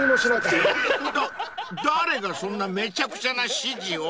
［だ誰がそんなめちゃくちゃな指示を？］